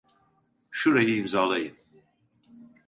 Şurayı imzalayın.